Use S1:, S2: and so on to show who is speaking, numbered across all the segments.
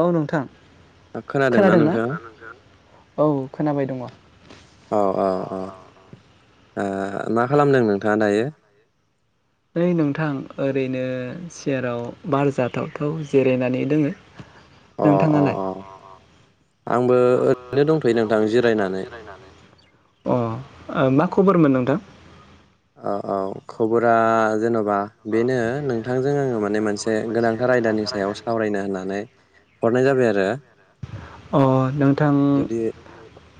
S1: औ नोंथां खोनादोंना औ खोनाबाय दंङ।
S2: अ अ अ ओ मा खालामदों नोंथाङा दायो?
S1: नै नोंथां ओरैनो सियाराव बार जाथावथाव जिरायनानै दोङो।
S2: अह अह
S1: नोंथाङालाय
S2: अह आंबो ओरैनो दंथ'यो नोंथां जिरायनानै।
S1: ओ मा खबरमोन नोंथां?
S2: औ औ खबरा जेन' बा बेनो नोंथांजों आंङो माने मोनसे गोनांथार आयदानि सायाव सावरायनो होननानै हरनाय जाबाय आरो।
S1: अह नोंथां
S2: जुदि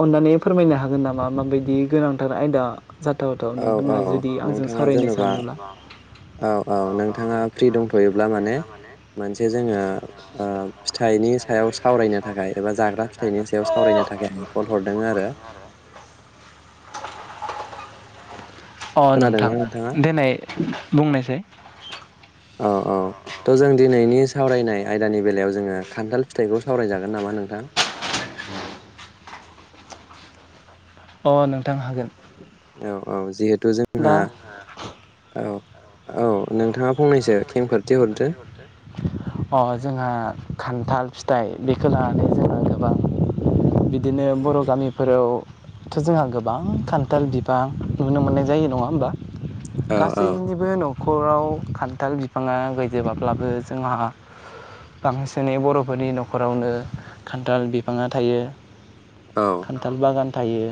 S1: अननानै फोरमायनो हागोन नामा माबायदि गोनांथार आयदा? जाथावथाव
S2: औ
S1: नोंथाङा
S2: औ
S1: जुदि आंजों
S2: नोंथाङा
S1: सावरायनो
S2: जेनेबा
S1: सानोब्ला अ
S2: औ औ नोंथाङा फ्रि दंथ'योब्ला माने मोनसे जोंङो ओ फिथाइनि सायाव सावरायनो थाखाय एबा जाग्रा फिथाइनि सायाव सावरायनो थाखाय आं कल हरदों आरो
S1: [inaudible] अह
S2: खोनादोंना
S1: नोंथां
S2: नोंथाङा
S1: देनाय बुंनायसाय।
S2: औ औ थ' जों दिनैनि सावरायनाय आयदानि बेलायाव जोंङो खान्थाल फिथाइखौ सावरायजागोन नामा नोंथां?
S1: अह नोंथां हागोन।
S2: औ औ जिहे थु
S1: दा
S2: जोंहा औ। औ नोंथाङा
S1: [inaudible]
S2: फंनैसो खेंफोरथि हरदो
S1: अह जोंहा। खान्थाल फिथाइ बेखौ लानानै जोङो गोबां बि बिदिनो बर' गामिफोराव थ' जोंहा गोबां खान्थाल बिबां नुनो मोननाय जायो नङा होमबा?
S2: औ औ
S1: गासैनिबो न' खराव खान थाल बिफाङा गैजोबाब्लाबो जोंहा बांसिनै बर'फोरनि न'खरावनो खान्थाल बिफाङा थायो।
S2: औ
S1: खान्थाल बागान थायो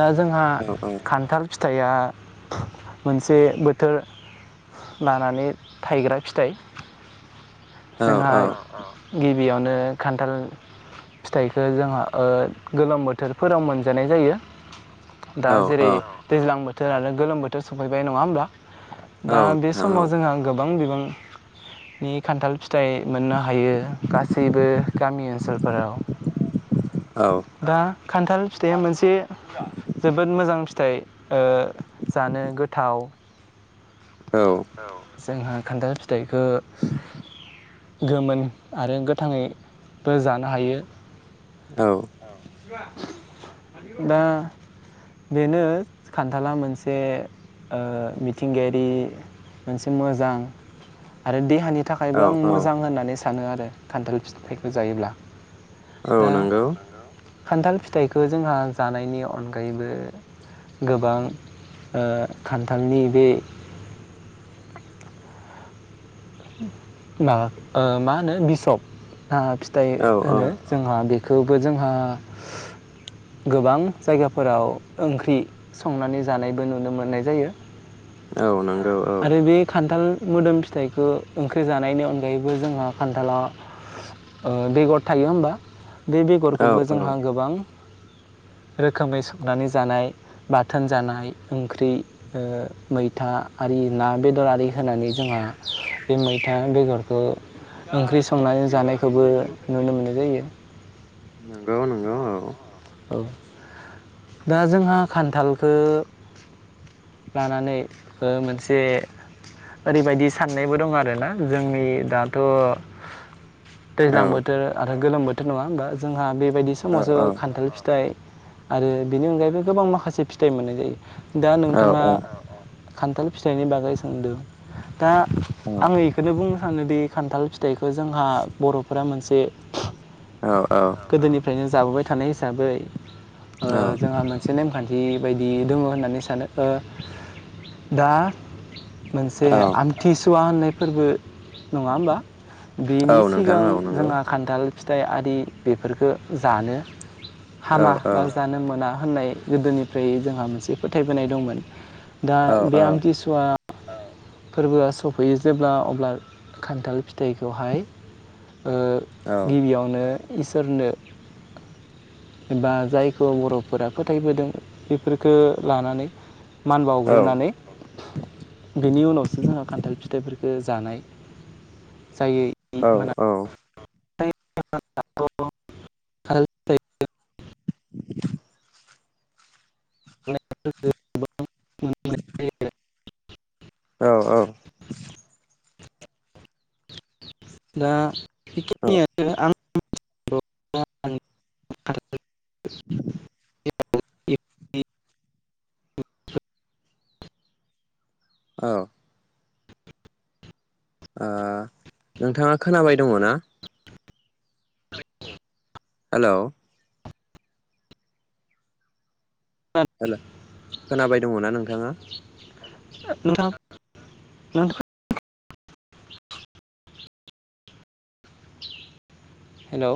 S1: दा जोंहा
S2: औ
S1: खान्थाल फि फिथाइया मोनसे बोथोर लानानै थाइग्रा फिथाइ।
S2: औ
S1: जोंहा गिबियावनो खान्थाल फिथाइखौ जोंहा ओ गोलोम बोथोरफोराव मोनजानाय जायो। दा
S2: औ
S1: जेरै
S2: औ
S1: दैज्लां बोथ थोर आरो गोलोम बोथोर सफैबाय नङा होमब्ला?
S2: औ
S1: दा बे
S2: नोंथां
S1: समाव जोंहा गोबां बिबां नि खान्थाल फि थाइ मोननो हायो गासैबो गामि ओनसोलफोराव
S2: औ औ
S1: दा खान्थाल फिथाइया मोनसे जोबोद मोजां फिथाइ ओ जानो गोथाव।
S2: औ
S1: जोंहा खान्थाल फिथाइखो गोमोन आरो गोथाङैबो जानो हायो।
S2: औ
S1: दा बेनो खान्थाला मोनसे ओ मिथिंगायारि मोनसे मोजां आरो देहानि
S2: औ
S1: थाखायबो आं मोजां
S2: औ
S1: होननानै सा सानो आरो खान्थाल फिथाइखौ जायोब्ला
S2: औ नोंगौ
S1: खान्थाल फिथाइखो जोंहा जानायनि अनगायैबो गोबां ओ खान्थालनि बे मा ओ मा होनो बिसब आ फिथाइ
S2: औ औ
S1: होनो जोंहा बे खौबो जोंहा गोबां जायगाफोराव ओंख्रि संनानै जानायबो नुनो मोननाय जायो।
S2: औ नंगौ औ
S1: आरो बे खान्थाल मोदोम फिथाइखौ ओंख्रि जानायनि अनगायैबो जोंहा खान्थाला ओ बेगर थायो होमबा बे
S2: औ
S1: बेगरखौबो
S2: औ
S1: जोंहा गोबां रोखोमै संनानै जानाय बाथोन जानाय ओंख्रि ओ मै था आरि ना बेदर आरि होनानै जोंहा बे मैथा बेगरखौ ओंख्रि संनानै जानायखौबो नुनो मोननाय जायो।
S2: नोंगौ नोंगौ ओं।
S1: औ दा जोंहा खान्थालखो लानानै ओ मोनसे ओरैबायदि साननायबो दं आरोना जोंनि दाथ'
S2: औ
S1: दैज्लां बोथोर आरो गोलोम बो नङा होमबा जोंहा बे बायदि
S2: औ
S1: समावसो खान्थाल फि थाइ आरो बेनि अनगायैबो गोबां माखासे फिथाइ मोननाय जायो। दा
S2: औ
S1: नोंथाङा
S2: औ
S1: खान्थाल फिथाइनि बागै सोंदों। दा आङो एखोनो बुंनो सानोदि खान्थाल फिथाइखौ जोंहा बर'फोरा मोनसे
S2: औ औ।
S1: फ्रायनो जाबोबाय थानाय इस साबै ओ जोंहा मोनसे नेमखान्थि बायदि दङ' होननानै सानो ओ दा मोनसे
S2: औ
S1: आमथिस सुवा होननाय फोरबो नङा होमबा
S2: औ
S1: बेनि
S2: नोंथां
S1: सिगां
S2: औ नंगौ
S1: जोंहा खान्थाल फिथाइआरि बेफोरफोरखो जानो
S2: औ
S1: हामा
S2: औ
S1: बा जानो मोना। होननाय गोदोनिफ्राय जोंहा मोनसे फोथायबोनाय दंमोन। दा
S2: औ
S1: बे आमथिसुवा फोरबोआ सफैयो जेब्ला अब्ला खान्थाल फिथाइखौहाय ओ
S2: औ
S1: गिबियावनो इसोरनो बा जायखौ बर'फोरा फोथायबोदों बेफोरखो लानानै मान
S2: औ
S1: बावग्रोनानै बेनि उनाव दासो जोङा खान्थाल फिथाइफोरखो जानाय जायो
S2: औ
S1: मोना
S2: औ
S1: [inaudible] [inaudible] [unintelligible] [inaudible]
S2: औ औ
S1: दा [unintelligible] [unintelligible]
S2: औ। आ। नोंथाङा खोनाबाय दङ' ना? हेलौ हेल' खोनाबाय दङ' ना नोंथाङा?
S1: नोंथां [unintelligible] हेलौ